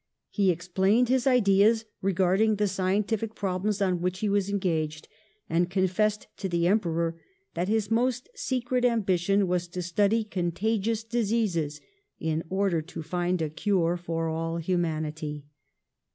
He explained his ideas regarding the scientific problems on which he was engaged, and confessed to the Emperor that his most secret ambition was to study con tagious diseases in order to find a cure for all humanity.